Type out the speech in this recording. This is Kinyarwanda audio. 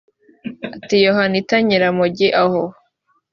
ata Yohanita Nyiramongi aho